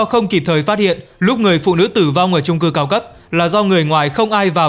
không kịp thời phát hiện lúc người phụ nữ tử vong ở trung cư cao cấp là do người ngoài không ai vào